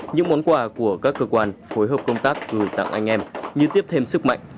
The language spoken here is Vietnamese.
những món quà của các cơ quan phối hợp công tác gửi tặng anh em như tiếp thêm sức mạnh